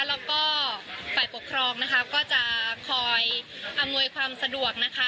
แล้วก็ฝ่ายปกครองนะคะก็จะคอยอำนวยความสะดวกนะคะ